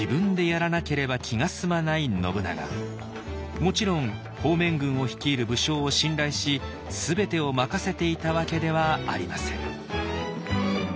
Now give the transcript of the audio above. もちろん方面軍を率いる武将を信頼し全てを任せていたわけではありません。